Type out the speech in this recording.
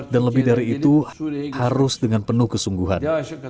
lebih dari itu harus dengan penuh kesungguhan